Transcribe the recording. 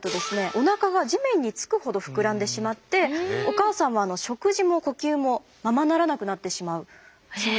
おなかが地面につくほど膨らんでしまってお母さんは食事も呼吸もままならなくなってしまうそうです。